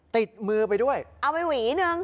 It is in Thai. ติดมือไปด้วยเอาไปหวีหนึ่ง